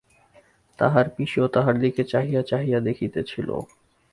তাহার পিসিও তাহার দিকে চাহিয়া চাহিয়া দেখিতেছিল।